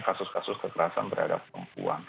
kasus kasus kekerasan terhadap perempuan